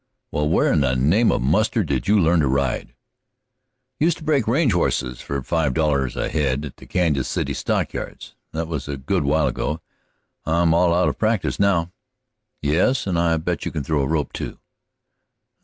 "Well, where in the name of mustard did you learn to ride?" "I used to break range horses for five dollars a head at the Kansas City Stockyards. That was a good while ago; I'm all out of practice now." "Yes, and I bet you can throw a rope, too."